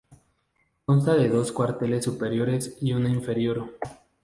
Consta de dos cuarteles superiores y una inferior.